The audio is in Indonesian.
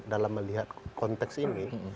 dalam melihat konteks ini